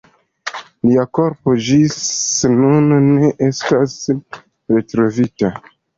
Lia korpo ĝis nun ne estas retrovita.